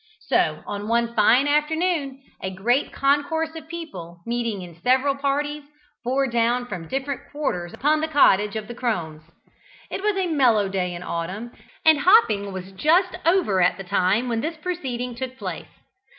So on one fine afternoon, a great concourse of people, meeting in several parties, bore down from different quarters upon the cottage of the crones. It was a mellow day in autumn, and hopping was just over at the time when this proceeding took place.